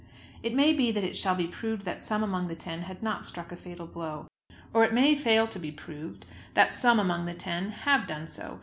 It may be that it shall be proved that some among the ten had not struck a fatal blow. Or it may fail to be proved that some among the ten have done so.